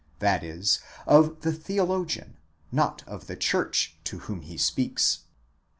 of the theologian, not of the church, to whom he speaks.